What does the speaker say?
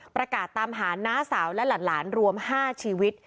ประกาศตามหาน้าสาวและหลานรวม๕ชีวิต